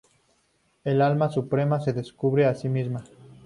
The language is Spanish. El Alma Suprema se descubre a sí misma.